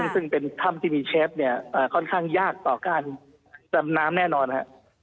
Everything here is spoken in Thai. ซึ่งเป็นถ้ำที่มีเชฟเนี่ยค่อนข้างยากต่อการดำน้ำแน่นอนครับ